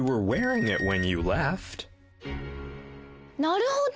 ．なるほど。